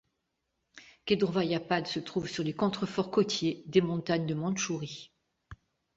Kedrovaïa Pad se trouve sur les contreforts côtiers des montagnes de Mandchourie.